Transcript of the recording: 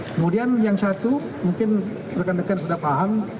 kemudian yang satu mungkin rekan rekan sudah paham